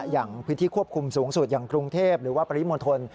อย่างพื้นที่ควบคุมสูงสุดอย่างกรุงเทพหรือว่าปริมณฑล